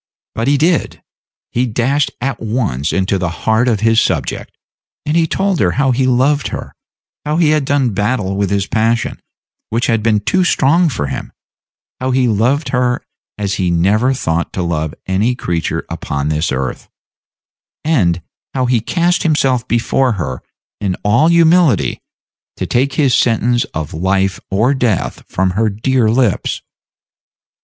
But he did; he dashed at once into the heart of his subject, and he told her how he loved her; how he had done battle with this passion, which had been too strong for him; how he loved her as he never thought to love any creature upon this earth; and how he cast himself before her in all humility, to take his sentence of life or death from her dear lips.